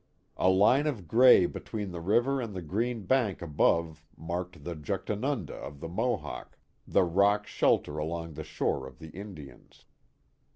A line of gray between the river and the green bank above marked the Juchtanunda of the Mohawk, the rock ' shelter along the shore of the Indians."